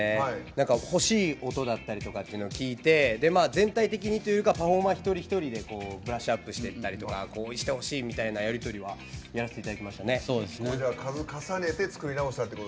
欲しい音だったりとかを聴いて全体的にというかパフォーマー、一人一人でブラッシュアップしていったりとかこうしてほしいみたいなやり取りはやらせていただきましたね。